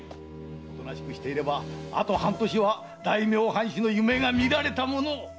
おとなしくしていればあと半年は大名藩主の夢が見られたものを。